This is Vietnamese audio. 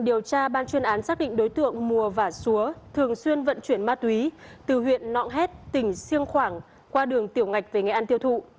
điều tra ban chuyên án xác định đối tượng mùa và xúa thường xuyên vận chuyển ma túy từ huyện nọng hét tỉnh siêng khoảng qua đường tiểu ngạch về nghệ an tiêu thụ